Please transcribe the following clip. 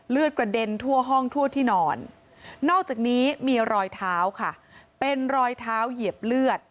กระเด็นทั่วห้องทั่วที่นอนนอกจากนี้มีรอยเท้าค่ะเป็นรอยเท้าเหยียบเลือด